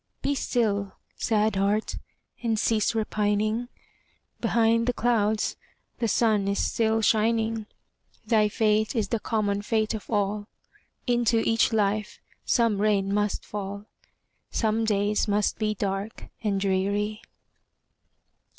Be still, sad heart! and cease repining; Behind the clouds is the sun still shining; Thy fate is the common fate of all, Into each life some rain must fall, Some days must be dark and dreary.